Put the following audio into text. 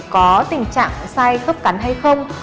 có tình trạng sai khớp cắn hay không